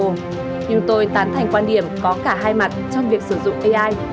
nhưng tôi tán thành quan điểm có cả hai mặt trong việc sử dụng ai